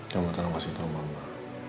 kamu tolong kasih tau mama